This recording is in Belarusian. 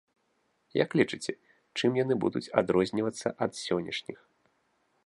Як лічыце, чым яны будуць адрознівацца ад сённяшніх?